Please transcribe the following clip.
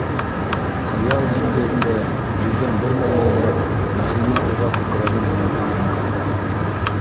Хыял диңгеҙендә йөҙгән бер мәлендә Нәғимә уға күкрәге менән һыйынды: